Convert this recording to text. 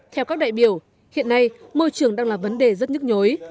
theo các đại biểu hiện nay môi trường đang là vấn đề rất nhức nhối